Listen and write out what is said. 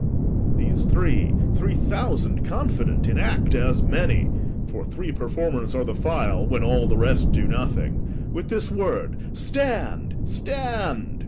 These three, Three thousand confident, in act as many For three performers are the file when all The rest do nothing with this word 'Stand, stand!'